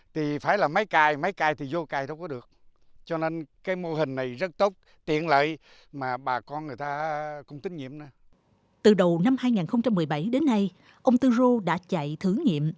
từ đầu năm hai nghìn một mươi bảy đến nay ông tư rô đã chạy thử nghiệm